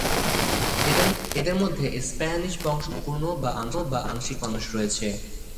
এদের মধ্যে স্প্যানিশ বংশদ্ভুত সম্পূর্ণ বা আংশিক মানুষ রয়েছে।